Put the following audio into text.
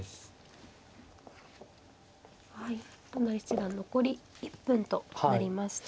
はい都成七段残り１分となりました。